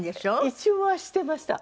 一応はしてました。